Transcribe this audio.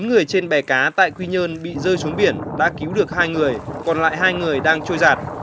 bốn người trên bè cá tại quy nhơn bị rơi xuống biển đã cứu được hai người còn lại hai người đang trôi giạt